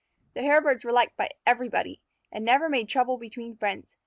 The Hairbirds were liked by everybody, and never made trouble between friends.